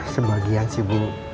sebagian sih bu